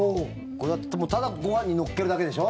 これ、ただご飯に乗っけるだけでしょ？